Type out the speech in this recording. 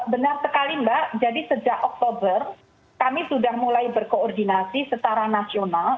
benar sekali mbak jadi sejak oktober kami sudah mulai berkoordinasi secara nasional